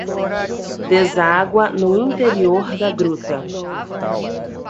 Deságua no interior da gruta